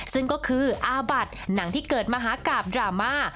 ซึ่งก็คืออาบัติหนังที่เกิดมหากราบดราม่า